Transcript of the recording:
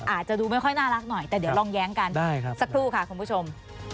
อาจจะดูไม่ค่อยน่ารักหน่อยแต่เดี๋ยวลองแย้งกันสักครู่ค่ะคุณผู้ชม